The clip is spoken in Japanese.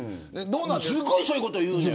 すごいそういうこと言うのよ。